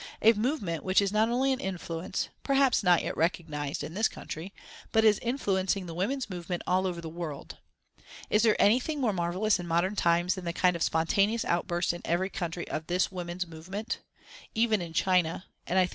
A movement which is not only an influence, perhaps not yet recognised, in this country, but is influencing the women's movement all over the world. Is there anything more marvellous in modern times than the kind of spontaneous outburst in every country of this woman's movement?